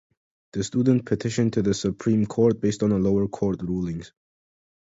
The student petitioned to the Supreme Court based on the lower court rulings.